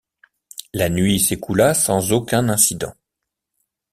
La nuit s’écoula sans aucun incident.